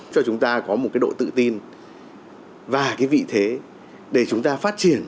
cho chúng ta có một cái độ tự tin và cái vị thế để chúng ta phát triển